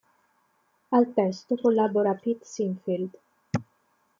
Al testo collabora Pete Sinfield.